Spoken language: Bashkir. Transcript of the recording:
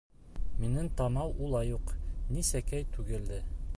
Минең танау улай уҡ, ни, сәкәй түгел дә.